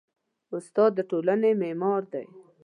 استاد د ټولنې معمار دی.